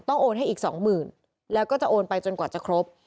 โอนให้อีกสองหมื่นแล้วก็จะโอนไปจนกว่าจะครบ